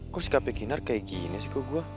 kok sikapnya kinar kayak gini sih ke gua